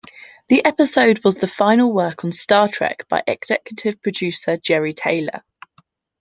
The episode was the final work on "Star Trek" by executive producer Jeri Taylor.